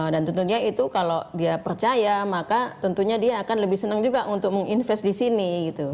dan tentunya itu kalau dia percaya maka tentunya dia akan lebih senang juga untuk invest di sini gitu